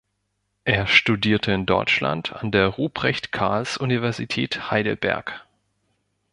Er studierte in Deutschland an der Ruprecht-Karls-Universität Heidelberg.